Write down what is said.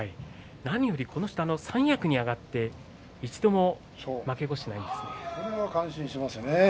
何よりこの人は三役に上がって一度もそれは感心しますね。